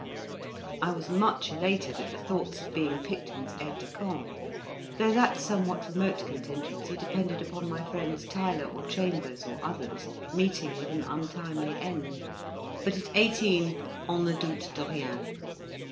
I was much elated at the thoughts of being Picton's aide de camp, though that somewhat remote contingency depended upon my friends Tyler, or Chambers, or others, meeting with an untimely end; but at eighteen on ne doute de rien.